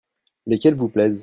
Lesquels vous plaisent ?